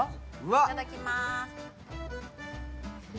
いただきまーす。